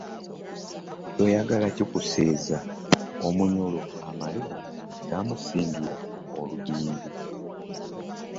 Ky'oyagala kikuseeza, omunyolo amalibu gamusingira olubimbi.